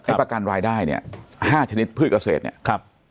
ให้ประกันรายได้๕ชนิดพืชเกษตร